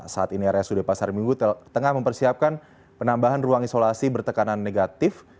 saat ini rsud pasar minggu tengah mempersiapkan penambahan ruang isolasi bertekanan negatif